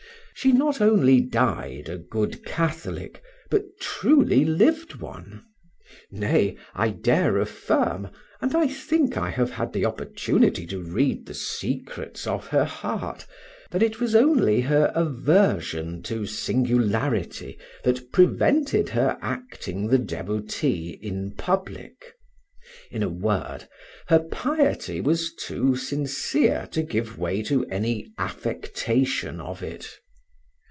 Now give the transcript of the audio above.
She not only died a good Catholic, but truly lived one; nay, I dare affirm (and I think I have had the opportunity to read the secrets of her heart) that it was only her aversion to singularity that prevented her acting the devotee in public; in a word, her piety was too sincere to give way to any affectation of it.